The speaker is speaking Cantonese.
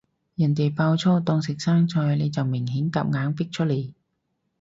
人哋爆粗當食生菜，你就明顯夾硬逼出嚟